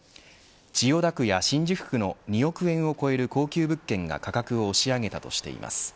千代田区や新宿区の２億円を超える高級物件が価格を押し上げたとしています。